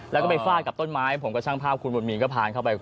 แล้วก็ไปฟาดกับต้นไม้ผมก็ช่างภาพคุณบุญมีนก็พานเข้าไป